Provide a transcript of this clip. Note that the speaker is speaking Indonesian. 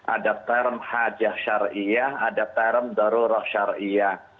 ada term hajah syariah ada term darurah syariah